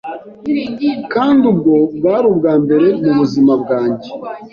kandi ubwo bwari ubwa mbere mu buzima bwanjye.